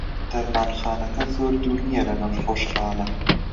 دەرمانخانەکە زۆر دوور نییە لە نەخۆشخانە.